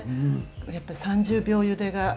やっぱり３０秒ゆでが。